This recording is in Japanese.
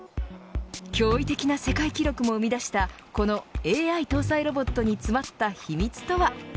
驚異的な世界記録も生み出したこのＡＩ搭載ロボットに詰まった秘密とは。